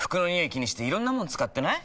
気にしていろんなもの使ってない？